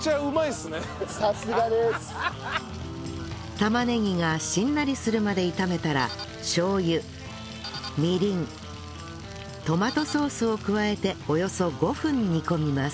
玉ねぎがしんなりするまで炒めたらしょう油みりんトマトソースを加えておよそ５分煮込みます